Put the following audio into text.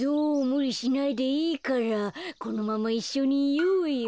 むりしないでいいからこのままいっしょにいようよ。